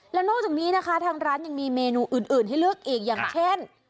แล้วนอกจากนี้นะคะทางร้านยังมีเมนูอื่นให้เลือกอีกอย่างเช่น